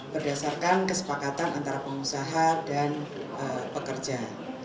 berdasarkan kesepakatan antara pengusaha dan pekerja